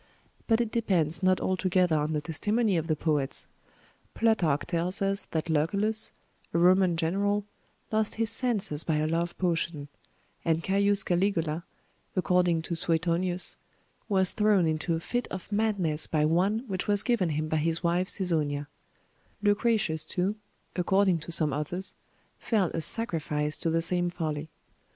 But it depends not altogether on the testimony of the poets: Plutarch tells us, that Lucullus, a Roman General, lost his senses by a love potion; and Caius Caligula, according to Suetonius, was thrown into a fit of madness by one which was given him by his wife Cæsonia; Lucretius too, according to some authors, fell a sacrifice to the same folly.